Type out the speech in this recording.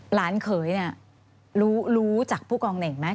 เขยเนี่ยรู้จากผู้กองเหน่งไหม